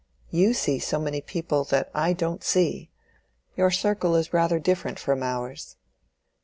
You see so many people that I don't see. Your circle is rather different from ours."